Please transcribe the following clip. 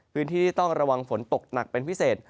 พื้นที่ต้องระวังฝนตกหนักเป็นพิเศษ